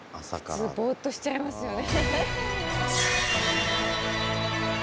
普通ボッとしちゃいますよね。